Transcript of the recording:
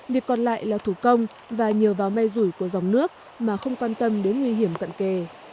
việc còn lại là thủ công và nhờ vào may rủi của dòng nước mà không quan tâm đến nguy hiểm cận kề